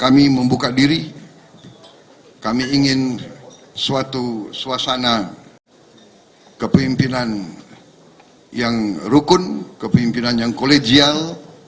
kami membuka diri kami ingin suatu suasana kepimpinan yang rukun kepimpinan yang kolegial